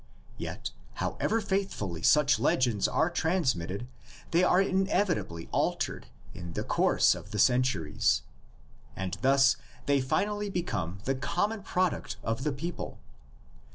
Yet however faithfully such legends are transmitted, they are inevitably altered in the course of the centuries. And thus they finally become the common product of the people.